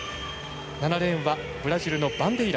７レーンはブラジルのバンデイラ。